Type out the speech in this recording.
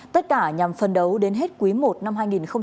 tất cả nhằm phân đấu đến hết quý i năm hai nghìn hai mươi